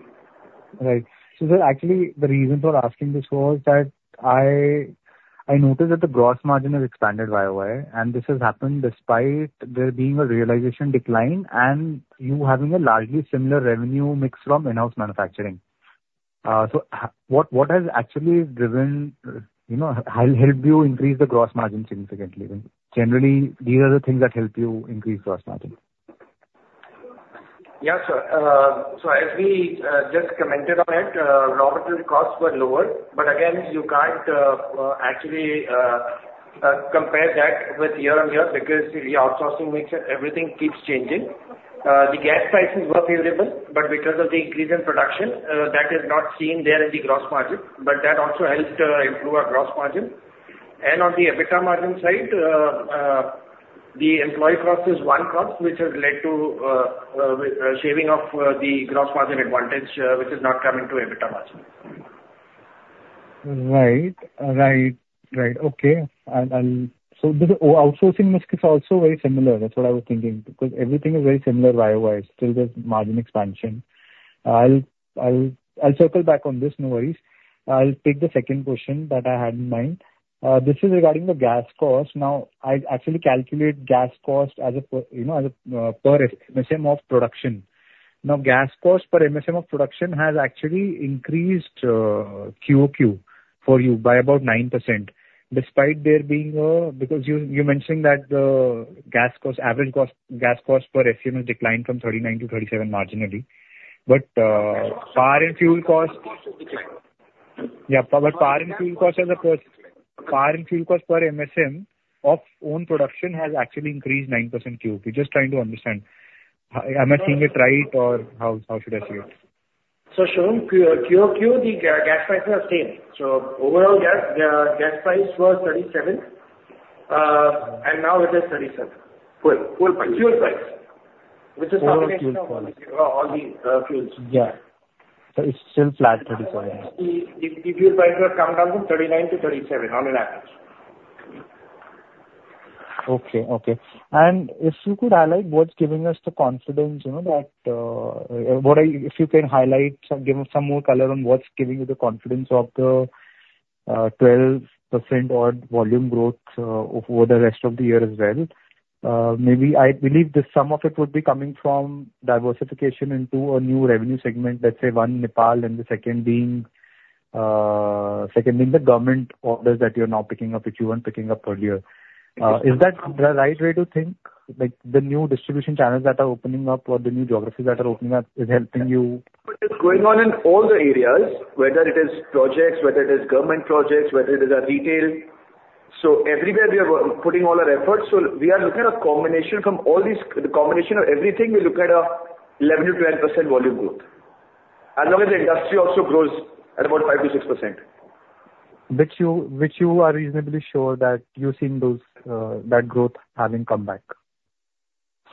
Right. So actually, the reason for asking this was that I noticed that the gross margin has expanded year-over-year, and this has happened despite there being a realization decline and you having a largely similar revenue mix from in-house manufacturing. So what has actually driven, you know, help you increase the gross margin significantly? Then generally, these are the things that help you increase gross margin. Yeah, sir. So as we just commented on it, raw material costs were lower, but again, you can't actually compare that with year on year, because the outsourcing mix, everything keeps changing. The gas prices were favorable, but because of the increase in production, that is not seen there in the gross margin, but that also helped improve our gross margin. And on the EBITDA margin side, the employee cost is one cost, which has led to shaving off the gross margin advantage, which is not coming to EBITDA margin. Right. Right. Right. Okay. And, and so the outsourcing mix is also very similar. That's what I was thinking, because everything is very similar year-over-year. Still, there's margin expansion. I'll, I'll, I'll circle back on this, no worries. I'll take the second question that I had in mind. This is regarding the gas cost. Now, I actually calculate gas cost as a per, you know, as a per MSM of production. Now, gas cost per MSM of production has actually increased quarter-over-quarter for you by about 9%, despite there being a... Because you, you mentioned that the gas cost, average cost, gas cost per SM has declined from 39 to 37 marginally. But power and fuel cost- Yeah, but power and fuel costs as a first, power and fuel cost per MSM of own production has actually increased 9% quarter-over-quarter. Just trying to understand, am I seeing it right, or how, how should I see it? So Shubham, quarter-over-quarter, the gas prices are same. So overall gas price was 37, and now it is 37. Full fuel price, which is a combination of all the fuels. Yeah. So it's still flat, 37. The fuel prices have come down from 39 to 37 on average. Okay. Okay. And if you could highlight what's giving us the confidence, you know, that. If you can highlight, give us some more color on what's giving you the confidence of the 12% odd volume growth over the rest of the year as well. Maybe I believe that some of it would be coming from diversification into a new revenue segment, let's say, one, Nepal, and the second being the government orders that you're now picking up, which you weren't picking up earlier. Mm-hmm. Is that the right way to think? Like, the new distribution channels that are opening up or the new geographies that are opening up is helping you? It's going on in all the areas, whether it is projects, whether it is government projects, whether it is retail. So everywhere we are putting all our efforts, so we are looking at a combination from all these. The combination of everything, we look at an 11%-12% volume growth, as long as the industry also grows at about 5%-6%. Which you are reasonably sure that you're seeing those, that growth having come back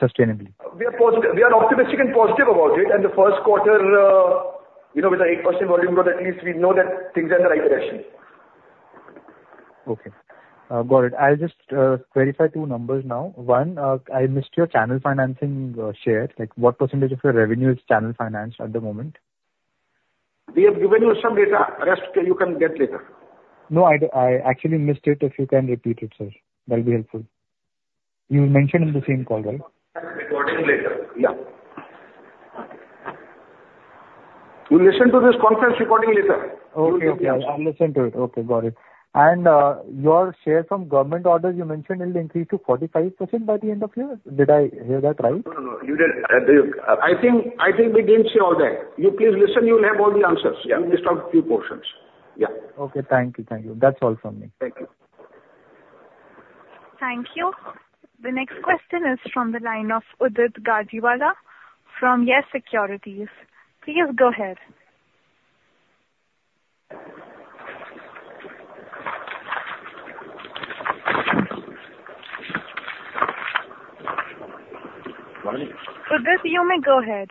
sustainably? We are positive. We are optimistic and positive about it. The first quarter, you know, with an 8% volume growth, at least we know that things are in the right direction. Okay. Got it. I'll just verify two numbers now. One, I missed your channel financing share. Like, what percentage of your revenue is channel finance at the moment? We have given you some data. Rest, you can get later. No, I actually missed it. If you can repeat it, sir, that'll be helpful. You mentioned in the same call, right? Recording later. Yeah. You listen to this conference recording later. Okay. Okay. I'll listen to it. Okay, got it. And, your share from government orders, you mentioned it will increase to 45% by the end of year. Did I hear that right? No, no, no, you did. I think, I think we didn't say all that. You please listen, you will have all the answers. I missed out a few portions. Yeah. Okay. Thank you. Thank you. That's all from me. Thank you. Thank you. The next question is from the line of Udit Gajiwala from YES Securities. Please go ahead. Good morning. Udit, you may go ahead.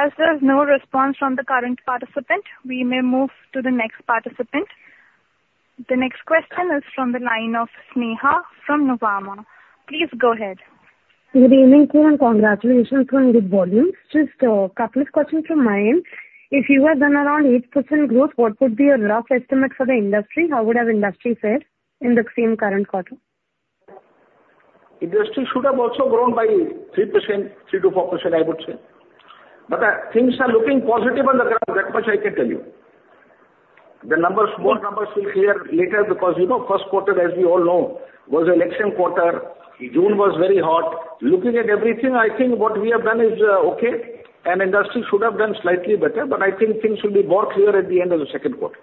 As there is no response from the current participant, we may move to the next participant. The next question is from the line of Sneha from Nuvama. Please go ahead. Good evening to you, and congratulations on good volumes. Just, a couple of questions from my end. If you were done around 8% growth, what would be your rough estimate for the industry? How would our industry fare in the same current quarter? Industry should have also grown by 3%, 3%-4%, I would say. But, things are looking positive on the ground, that much I can tell you. The numbers, more numbers will clear later, because, you know, first quarter, as we all know, was an election quarter. June was very hot. Looking at everything, I think what we have done is, okay, and industry should have done slightly better, but I think things will be more clear at the end of the second quarter....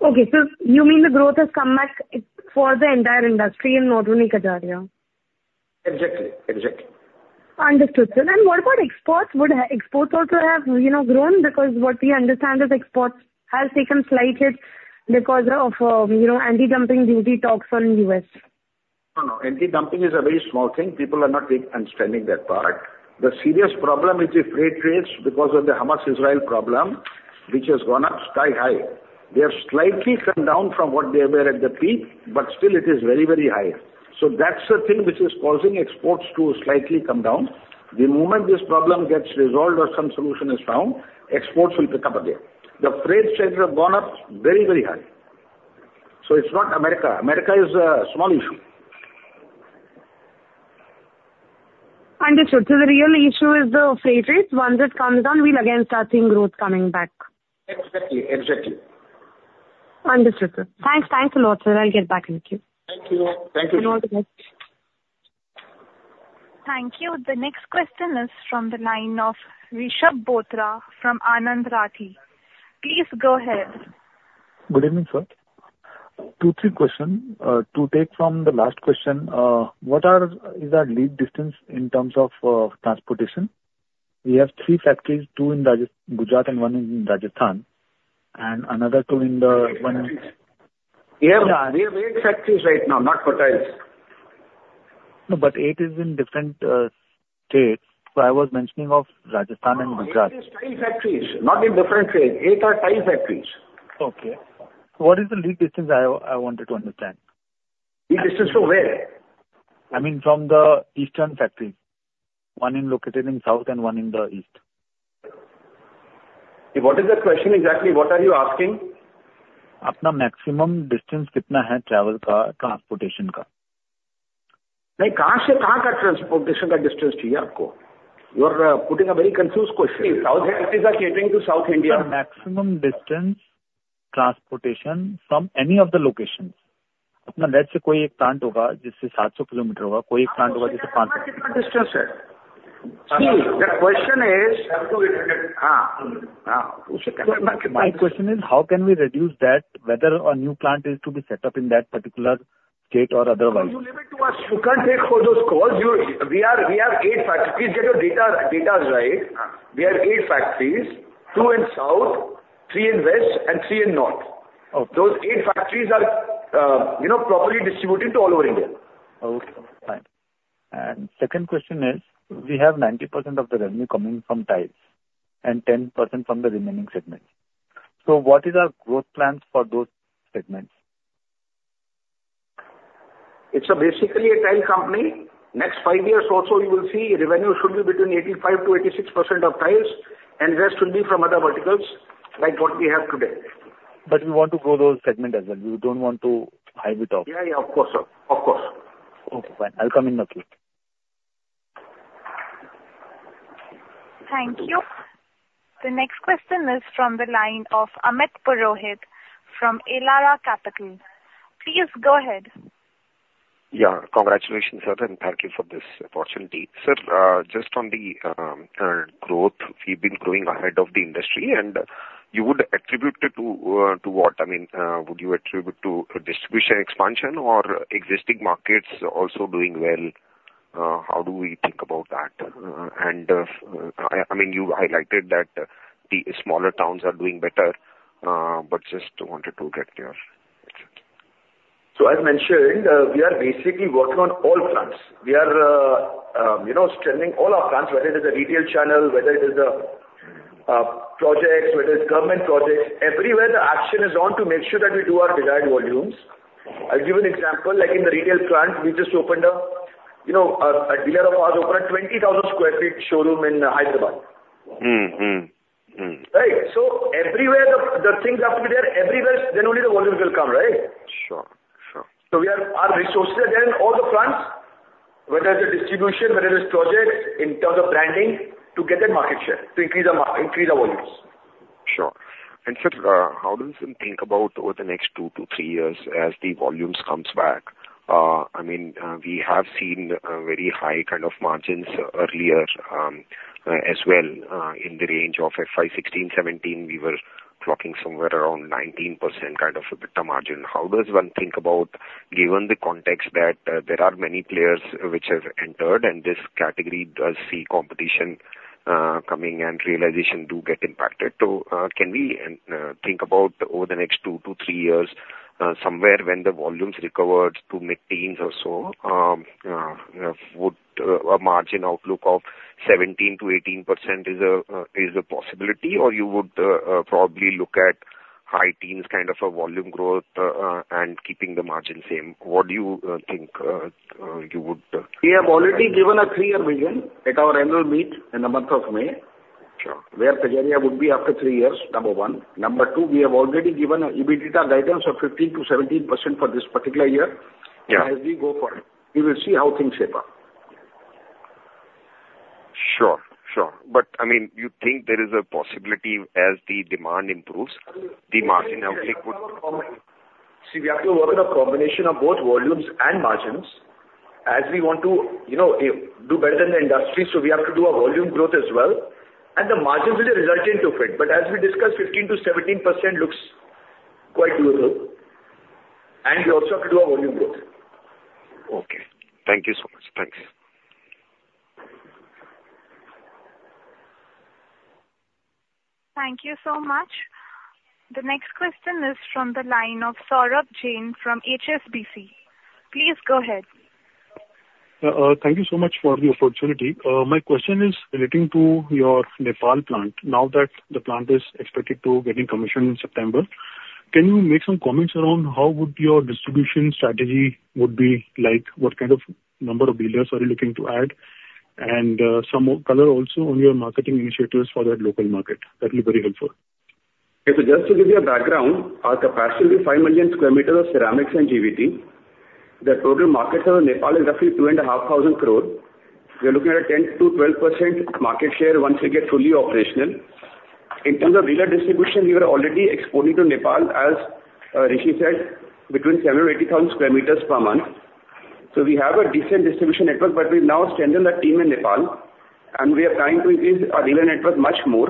Okay, so you mean the growth has come back to it, for the entire industry and not only Kajaria? Exactly, exactly. Understood, sir. What about exports? Would exports also have, you know, grown? Because what we understand is exports has taken slight hit because of, you know, anti-dumping duty talks on U.S. No, no. Anti-dumping is a very small thing. People are not really understanding that part. The serious problem is the freight rates because of the Hamas-Israel problem, which has gone up sky high. They have slightly come down from what they were at the peak, but still it is very, very high. So that's the thing which is causing exports to slightly come down. The moment this problem gets resolved or some solution is found, exports will pick up again. The freight charges have gone up very, very high. So it's not America. America is a small issue. Understood. So the real issue is the freight rates. Once it comes down, we'll again starting growth coming back. Exactly, exactly. Understood, sir. Thanks. Thanks a lot, sir. I'll get back with you. Thank you. Thank you. All the best. Thank you. The next question is from the line of Rishabh Bothra from Anand Rathi. Please go ahead. Good evening, sir. 2, 3 question. To take from the last question, what are, is our lead distance in terms of, transportation? We have 3 factories, 2 in Rajasthan, Gujarat and 1 in Rajasthan, and another 2 in the one- We have eight factories right now, not for tiles. No, but eight is in different states. So I was mentioning of Rajasthan and Gujarat. Oh, 8 is 3 factories, not in different states. 8 are tile factories. Okay. What is the lead distance? I wanted to understand? Lead distance from where? I mean, from the eastern factory. One is located in the south and one in the east. What is the question exactly? What are you asking? Our maximum distance,... “kitna hai travel ka, transportation ka?” Transportation, distance. You are putting a very confused question. South factories are catering to South India. The maximum distance transportation from any of the locations. Let's say, Distance, sir. See, the question is. My question is: How can we reduce that, whether a new plant is to be set up in that particular state or otherwise? No, you leave it to us. You can't take all those calls. We are eight factories. Please get your data, datas right. We are eight factories, two in South, three in West, and three in North. Okay. Those eight factories are, you know, properly distributed to all over India. Okay, fine. Second question is, we have 90% of the revenue coming from tiles and 10% from the remaining segments. What is our growth plans for those segments? It's basically a tile company. Next 5 years or so, you will see revenue should be between 85%-86% of tiles, and rest will be from other verticals, like what we have today. But we want to grow those segments as well. We don't want to hide it off. Yeah, yeah, of course, sir. Of course. Okay, fine. I'll come back to you. Thank you. The next question is from the line of Amit Purohit from Elara Capital. Please go ahead. Yeah, congratulations, sir, and thank you for this opportunity. Sir, just on the growth, we've been growing ahead of the industry, and you would attribute it to what? I mean, would you attribute to distribution expansion or existing markets also doing well? How do we think about that? And I mean, you highlighted that the smaller towns are doing better, but just wanted to get your insight. So as mentioned, we are basically working on all fronts. We are, you know, strengthening all our fronts, whether it is a retail channel, whether it is a projects, whether it's government projects. Everywhere the action is on to make sure that we do our desired volumes. I'll give an example, like in the retail front, we just opened a, you know, a dealer of ours opened a 20,000 sq ft showroom in Hyderabad. Mm-hmm. Mm. Right? So everywhere the things have to be there, everywhere, then only the volumes will come, right? Sure. Sure. We are, our resources are there in all the fronts, whether it's distribution, whether it's projects, in terms of branding, to get that market share, to increase our volumes. Sure. And, sir, how does one think about over the next 2 to 3 years as the volumes comes back? I mean, we have seen a very high kind of margins earlier, as well, in the range of FY16, FY17, we were clocking somewhere around 19% kind of EBITDA margin. How does one think about, given the context that, there are many players which have entered, and this category does see competition, coming and realization do get impacted. So, can we think about over the next 2-3 years, somewhere when the volumes recovered to mid-teens or so, would a margin outlook of 17%-18% is a is a possibility, or you would probably look at high teens kind of a volume growth, and keeping the margin same? What do you think, you would- We have already given a three-year vision at our annual meet in the month of May. Sure. Where Kajaria would be after three years, number one. Number two, we have already given an EBITDA guidance of 15%-17% for this particular year. Yeah. As we go forward, you will see how things shape up. Sure, sure. But, I mean, you think there is a possibility as the demand improves, the margin obviously would improve?... See, we have to work on a combination of both volumes and margins, as we want to, you know, do better than the industry, so we have to do our volume growth as well, and the margins will be resilient to it. But as we discussed, 15%-17% looks quite doable, and we also have to do our volume growth. Okay. Thank you so much. Thanks. Thank you so much. The next question is from the line of Saurabh Jain from HSBC. Please go ahead. Thank you so much for the opportunity. My question is relating to your Nepal plant. Now that the plant is expected to getting commissioned in September, can you make some comments around how would your distribution strategy would be like? What kind of number of dealers are you looking to add? And, some more color also on your marketing initiatives for that local market. That will be very helpful. Okay. So just to give you a background, our capacity will be 5 million square meters of ceramics and GVT. The total market of Nepal is roughly 2,500 crore. We are looking at a 10%-12% market share once we get fully operational. In terms of dealer distribution, we are already exporting to Nepal as Rishi said, between 70,000 or 80,000 square meters per month. So we have a decent distribution network, but we've now strengthened the team in Nepal, and we are trying to increase our dealer network much more,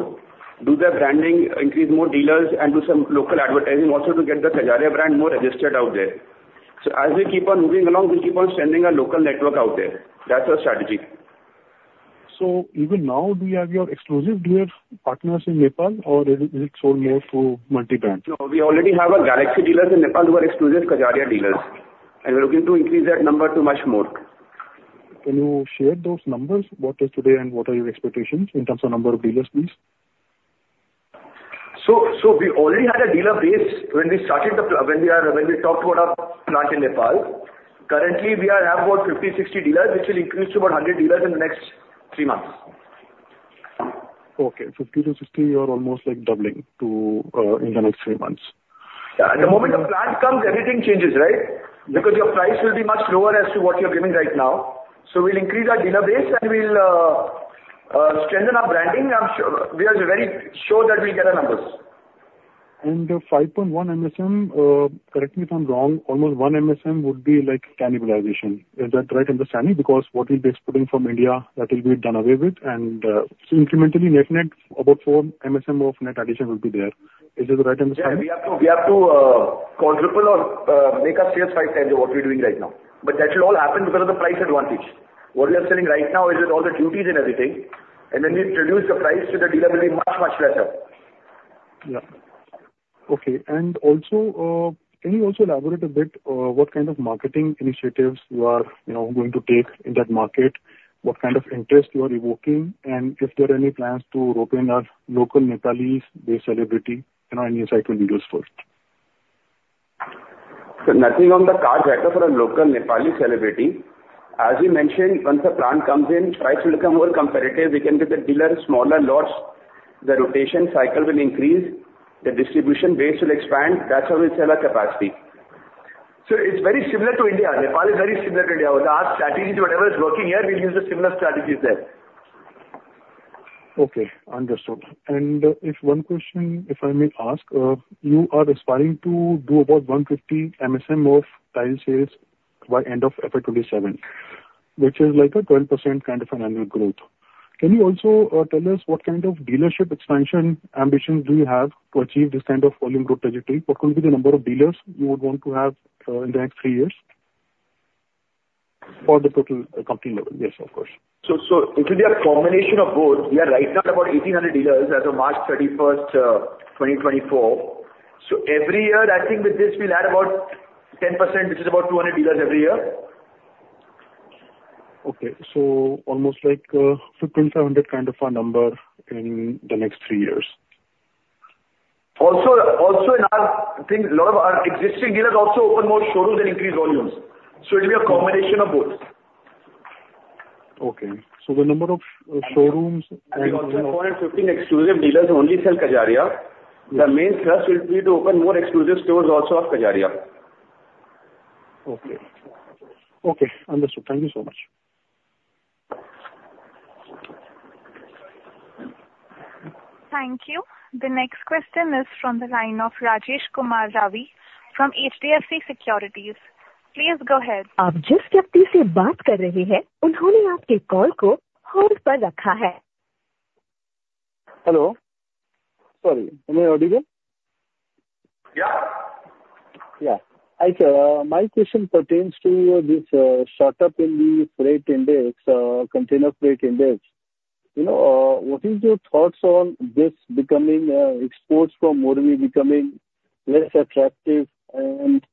do the branding, increase more dealers, and do some local advertising also to get the Kajaria brand more registered out there. So as we keep on moving along, we keep on strengthening our local network out there. That's our strategy. Even now, do you have your exclusive dealer partners in Nepal, or is it sold more to multi-brand? No, we already have our Galaxy dealers in Nepal who are exclusive Kajaria dealers, and we're looking to increase that number to much more. Can you share those numbers? What is today, and what are your expectations in terms of number of dealers, please? We already had a dealer base when we started the plant, when we talked about our plant in Nepal. Currently, we are at about 50, 60 dealers, which will increase to about 100 dealers in the next three months. Okay. 50-60, you are almost, like, doubling to, in the next 3 months. Yeah. The moment the plant comes, everything changes, right? Yeah. Because your price will be much lower as to what you're giving right now. So we'll increase our dealer base, and we'll strengthen our branding. We are very sure that we'll get our numbers. The 5.1 MSM, correct me if I'm wrong, almost 1 MSM would be like cannibalization. Is that the right understanding? Because what we'll be exporting from India, that will be done away with, and, so incrementally, net, net, about 4 MSM of net addition will be there. Is it the right understanding? Yeah. We have to, we have to, quadruple or make our sales five times what we're doing right now. But that should all happen because of the price advantage. What we are selling right now is with all the duties and everything, and when we reduce the price, so the dealer will be much, much lesser. Yeah. Okay. And also, can you also elaborate a bit, what kind of marketing initiatives you are, you know, going to take in that market? What kind of interest you are evoking, and if there are any plans to rope in a local Nepalese-based celebrity, you know, any insight will be useful. Nothing on the cards as of for a local Nepali celebrity. As we mentioned, once the plant comes in, price will become more competitive. We can give the dealers smaller loads, the rotation cycle will increase, the distribution base will expand. That's how we'll sell our capacity. It's very similar to India. Nepal is very similar to India. Our strategy, whatever is working here, we'll use the similar strategies there. Okay, understood. And, if one question, if I may ask, you are aspiring to do about 150 MSM of tile sales by end of FY 2027, which is like a 12% kind of an annual growth. Can you also, tell us what kind of dealership expansion ambitions do you have to achieve this kind of volume growth trajectory? What will be the number of dealers you would want to have, in the next three years? For the total company level? Yes, of course. So, so it will be a combination of both. We are right now about 1,800 dealers as of March 31st, 2024. So every year, I think with this, we'll add about 10%, which is about 200 dealers every year. Okay. Almost like 15,700 kind of a number in the next three years. Also, I think a lot of our existing dealers also open more showrooms and increase volumes. So it'll be a combination of both. Okay. So the number of showrooms- We also have 415 exclusive dealers who only sell Kajaria. Yeah. The main thrust will be to open more exclusive stores also of Kajaria. Okay. Okay, understood. Thank you so much. Thank you. The next question is from the line of Rajesh Kumar Ravi from HDFC Securities. Please go ahead. Hello. Sorry, am I audible? Yeah. Yeah. I, my question pertains to this, startup in the freight index, container freight index. You know, what is your thoughts on this becoming, exports from Morbi becoming less attractive and,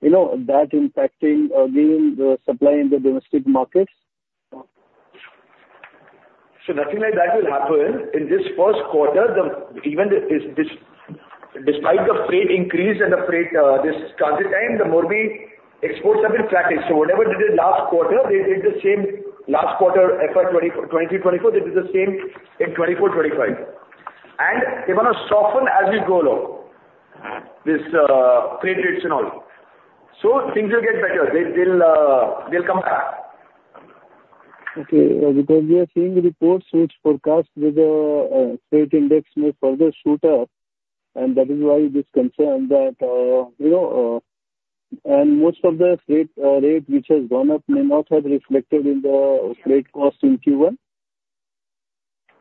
you know, that impacting, meaning the supply in the domestic markets? So nothing like that will happen. In this first quarter, even this, despite the freight increase and the freight, this transit time, the Morbi exports have been flatish. So whatever they did last quarter, they did the same last quarter, FY 2023-24, they did the same in 2024-25. And they're gonna soften as we go along, this, freight rates and all. So things will get better. They, they'll, they'll come back. Okay. Because we are seeing reports which forecast that the freight index may further shoot up, and that is why this concern that, you know, and most of the freight rate, which has gone up, may not have reflected in the freight cost in Q1.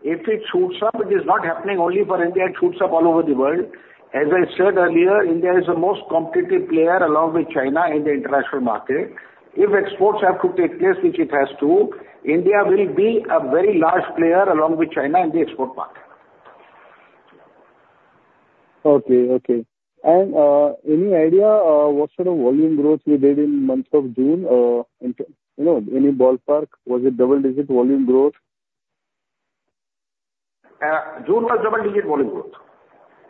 If it shoots up, it is not happening only for India, it shoots up all over the world. As I said earlier, India is the most competitive player along with China in the international market. If exports have to take place, which it has to, India will be a very large player along with China in the export market. Okay, okay. Any idea what sort of volume growth you did in month of June, you know, any ballpark? Was it double-digit volume growth? June was double-digit volume growth.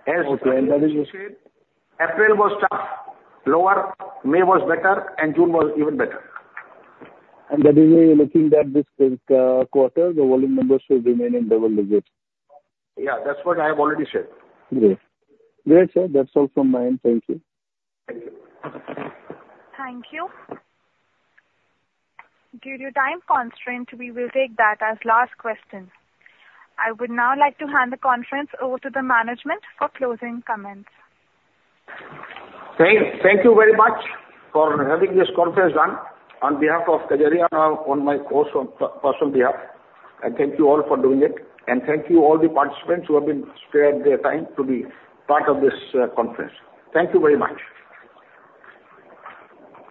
Okay, and that is the- As I said, April was tough, lower. May was better, and June was even better. That is why you're looking that this quarter, the volume numbers should remain in double digits? Yeah, that's what I have already said. Great. Great, sir. That's all from my end. Thank you. Thank you. Thank you. Due to time constraint, we will take that as last question. I would now like to hand the conference over to the management for closing comments. Thank you very much for having this conference on behalf of Kajaria, on my also personal behalf, and thank you all for doing it. Thank you all the participants who have spared their time to be part of this conference. Thank you very much!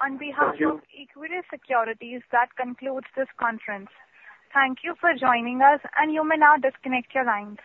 On behalf of- Thank you. Equirus Securities, that concludes this conference. Thank you for joining us, and you may now disconnect your lines.